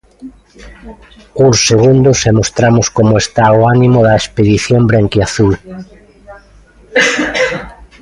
Uns segundos e mostramos como está o ánimo da expedición branquiazul.